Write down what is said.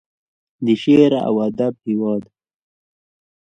د شعر او ادب هیواد.